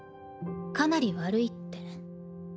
かなり悪いって。